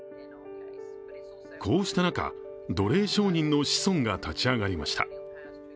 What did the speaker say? こうした中、奴隷商人の子孫が立ち上がりました。